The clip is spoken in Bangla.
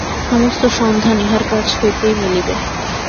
সমস্ত সন্ধান ইহার কাছ হইতেই মিলিবে।